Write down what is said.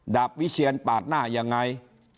ดาบวิเชียนปาดหน้ายังไง